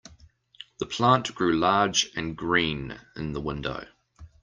The plant grew large and green in the window.